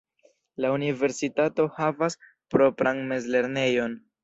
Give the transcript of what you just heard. La universitato havas propran mezlernejon.